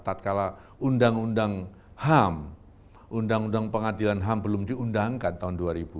tatkala undang undang ham undang undang pengadilan ham belum diundangkan tahun dua ribu dua